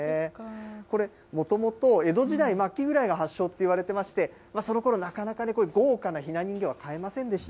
これ、もともと江戸時代末期ぐらいが発祥といわれてまして、そのころ、なかなかこういう豪華なひな人形は買えませんでした。